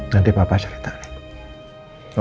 nanti bapak cerita nek